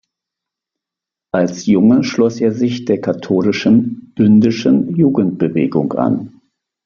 Als Junge schloss er sich der katholischen bündischen Jugendbewegung an.